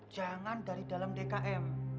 jangan dari dalam dkm